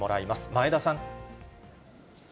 前田さん。